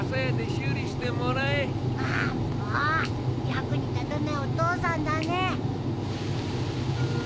役に立たないお父さんだね！